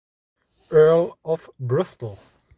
Earl of Bristol.